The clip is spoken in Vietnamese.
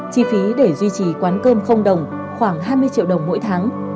chi phí để duy trì quán cơm không đồng khoảng hai mươi triệu đồng mỗi tháng